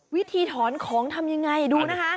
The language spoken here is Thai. วิธีถอนของทำยังไงดูนะคะ